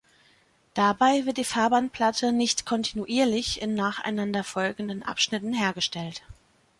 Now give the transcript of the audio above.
Dabei wird die Fahrbahnplatte nicht kontinuierlich in nacheinander folgenden Abschnitten hergestellt.